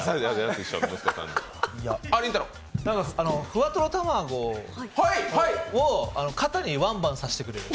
ふわとろたまごを肩にワンバンさせてくれる。